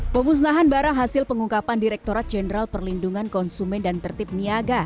pemusnahan barang hasil pengungkapan direkturat jenderal perlindungan konsumen dan tertib niaga